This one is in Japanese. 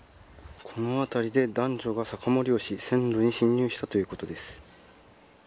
この辺りで男女が酒盛りをし線路に侵入したということです。